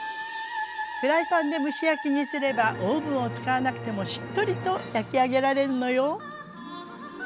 フライパンで蒸し焼きにすればオーブンを使わなくてもしっとりと焼き上げられるのよ。